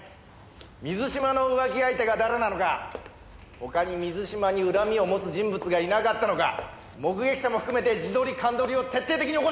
水嶋の浮気相手が誰なのか他に水嶋に恨みを持つ人物がいなかったのか目撃者も含めて地取り鑑取りを徹底的に行ってくれ！